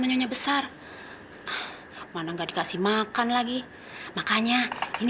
bibi enggak tega ngeliatin lora dihukumkan